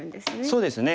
そうですね。